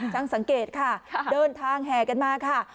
สังเกตค่ะเดินทางแห่กันมาค่ะ